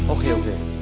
oke ya udah